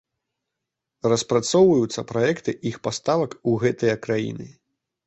Распрацоўваюцца праекты іх паставак у гэтыя краіны.